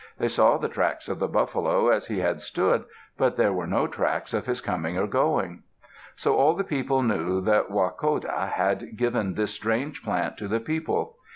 They saw the tracks of the buffalo as he had stood, but there were no tracks of his coming or going. So all the people knew that Wahkoda had given this strange plant to the people.